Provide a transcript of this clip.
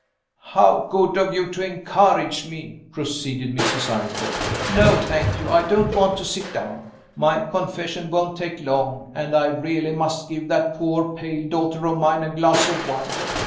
"How good of you to encourage me!" proceeded Mrs. Eyrecourt. "No, thank you, I don't want to sit down. My confession won't take long and I really must give that poor pale daughter of mine a glass of wine.